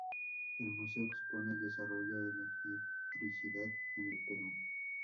El museo expone el desarrollo de la electricidad en el Perú.